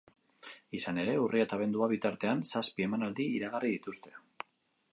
Izan ere, urria eta abendua bitartean zazpi emanaldi iragarri dituzte.